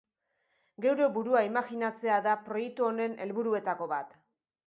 Geure burua imajinatzea da proiektu honen helburuetako bat.